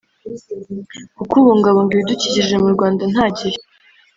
kukubungabunga ibidukikje mu Rwanda ntagihe